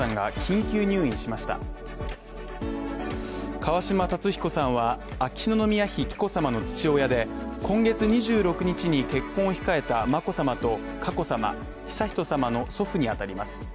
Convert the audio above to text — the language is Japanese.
川嶋辰彦さんは秋篠宮妃紀子さまの父親で今月２６日に結婚を控えた眞子さまと佳子さま、悠仁さまの祖父にあたります。